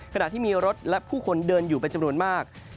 ขณะที่มีรถและผู้คนเดินอยู่เป็นจำนวนมาก